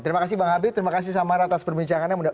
terima kasih bang habib terima kasih samara atas perbincangannya